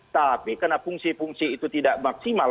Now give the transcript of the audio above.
tapi karena fungsi fungsi itu tidak maksimal